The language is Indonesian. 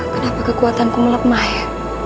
kenapa kekuatanku melemah ya